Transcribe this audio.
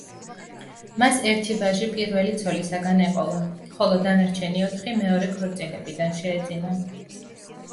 მას ერთი ვაჟი პირველი ცოლისაგან ეყოლა, ხოლო დანარჩენი ოთხი მეორე ქორწინებიდან შეეძინა.